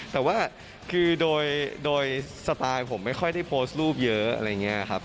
แต่ว่าคือโดยสไตล์ผมไม่ค่อยได้โพสต์รูปเยอะอะไรอย่างนี้ครับ